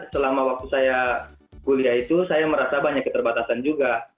selama waktu saya kuliah itu saya merasa banyak keterbatasan juga